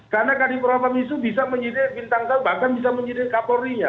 karena kadipropam itu bisa menjadi bintang tahu bahkan bisa menjadi kapolri nya